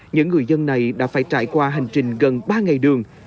những người dân này đã phải trải qua hành trình gần ba ngày đường